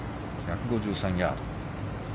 １５３ヤード。